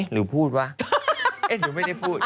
หรือพูดวะหนูไม่ได้พูด